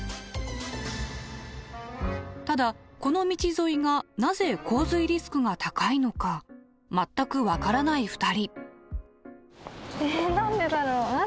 ただこの道沿いがなぜ洪水リスクが高いのか全く分からない２人。